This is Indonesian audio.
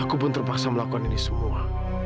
aku pun terpaksa melakukan ini semua